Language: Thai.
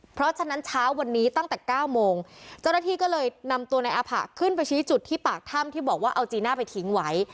เพราะฉะนั้นเช้าวันนี้ตั้งแต่เก้าโมงเจ้าหน้าที่ก็เลยนำตัวนายอาผะขึ้นไปชี้จุดที่ปากถ้ำที่บอกว่าเอาจีน่าไปทิ้งไว้